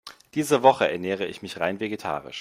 Diese Woche ernähre ich mich rein vegetarisch.